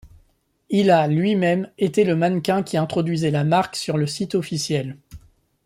Il a, lui-même, été le mannequin qui introduisait la marque sur le site officiel.